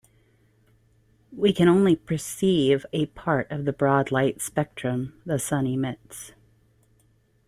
We can only perceive a part of the broad light spectrum the sun emits.